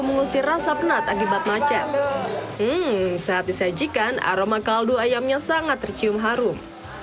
mengusir rasa penat akibat macet saat disajikan aroma kaldu ayamnya sangat tercium harum